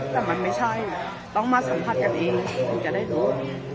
แต่มันไม่ใช่ต้องมาสัมผัสกันเองถึงจะได้รู้